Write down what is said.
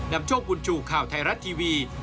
นำโชคบุญชูข่าวไทยรัฐทีวี